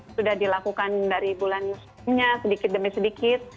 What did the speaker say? sudah dilakukan dari bulannya sedikit demi sedikit